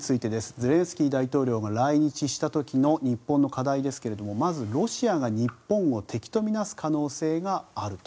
ゼレンスキー大統領が来日した時の日本の課題はロシアが日本を敵とみなす可能性があると。